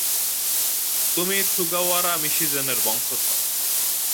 তুমি সুগাওয়ারা মিশিজেনের বংশধর!